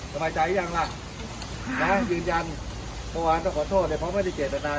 สมัยใจยังล่ะนะยืนยันโมบานต้องขอโทษเลยเพราะไม่ได้เกลียดตรงนั้น